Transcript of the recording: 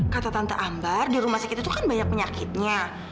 kata tante ambar di rumah sakit itu kan banyak penyakitnya